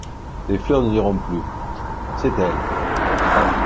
Les fleurs ne diront plus: — C’est elle!